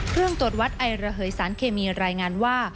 ตรวจวัดไอระเหยสารเคมีรายงานว่า